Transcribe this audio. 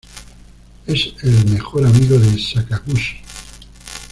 Es el mejor amigo de Sakaguchi.